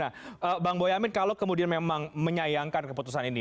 nah bang boyamin kalau kemudian memang menyayangkan keputusan ini